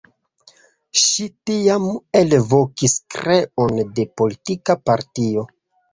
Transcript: Ŝi tiam elvokis kreon de politika partio.